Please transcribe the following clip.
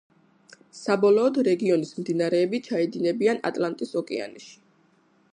საბოლოოდ რეგიონის მდინარეები ჩაედინებიან ატლანტის ოკეანეში.